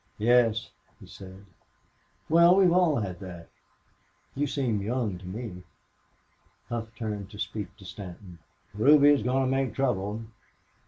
"Yes," he said. "Well, we've all had that.... You seem young to me." Hough turned to speak to Stanton. "Ruby's going to make trouble."